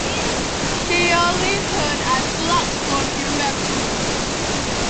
Lleolir hwn ar blatfform i Lerpwl.